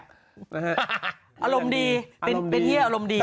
อารมณ์ดีเป็นเฮียอารมณ์ดี